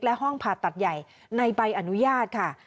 และห้องผ่าตัดใหญ่ในใบอนุญาตค่ะ